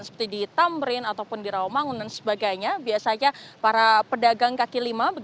seperti di tamrin ataupun di rawamangun dan sebagainya biasanya para pedagang kaki lima